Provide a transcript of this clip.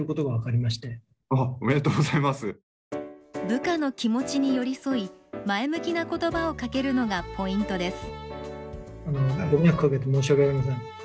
部下の気持ちに寄り添い前向きな言葉をかけるのがポイントです。